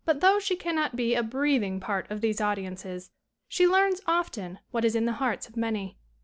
though she cannot be a breathing part of these audiences she learns often what is in the hearts of many.